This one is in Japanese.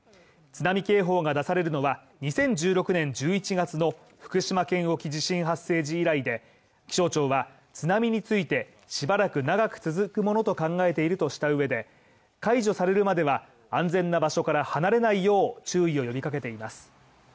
津波警報が出されるのは、２０１６年１１月の福島県沖地震発生時以来で気象庁は津波についてしばらく長く続くものと考えているとした上で解除されるまでは、安全な場所から離れないよう注意を呼びかけています。